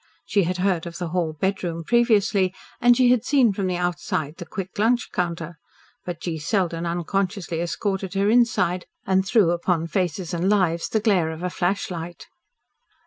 She had heard of the "hall bedroom" previously, and she had seen from the outside the "quick lunch" counter, but G. Selden unconsciously escorted her inside and threw upon faces and lives the glare of a flashlight.